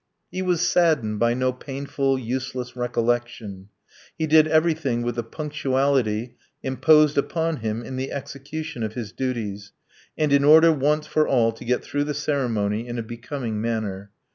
He was saddened by no painful, useless recollection. He did everything with the punctuality imposed upon him in the execution of his duties, and in order once for all to get through the ceremony in a becoming manner.